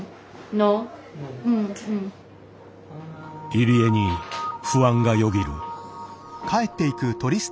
入江に不安がよぎる。